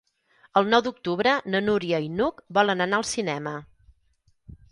El nou d'octubre na Núria i n'Hug volen anar al cinema.